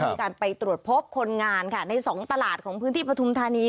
มีการไปตรวจพบคนงานค่ะในสองตลาดของพื้นที่ปฐุมธานี